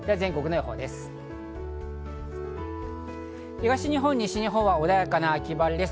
東日本、西日本は穏やかな秋晴れです。